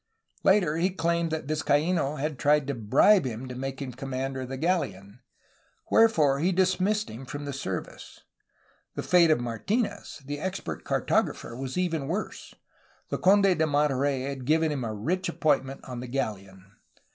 Later he claimed that Vizcaino had tried to bribe him to make him commander of the galleon, wherefore he dismissed him from the service. The fate of Martinez, the expert cartographer, was even worse. The Conde de Monterey had given him a rich appointment on the galleon.